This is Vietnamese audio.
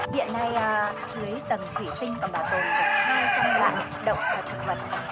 hiện nay dưới tầng thủy tinh còn bảo tồn được hai trăm linh loại động và thực vật